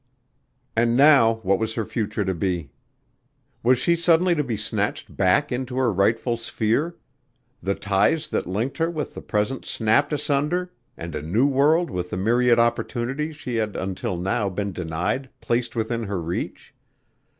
And now what was her future to be? Was she suddenly to be snatched back into her rightful sphere, the ties that linked her with the present snapped asunder, and a new world with the myriad opportunities she had until now been denied placed within her reach?